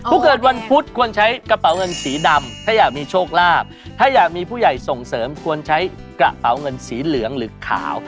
ผู้เกิดวันพุธควรใช้กระเป๋าเงินสีดำถ้าอยากมีโชคลาภถ้าอยากมีผู้ใหญ่ส่งเสริมควรใช้กระเป๋าเงินสีเหลืองหรือขาว